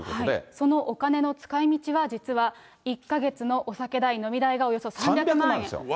そのお金の使いみちは実は、１か月のお酒代、飲み代がおよそ３００万ですよ。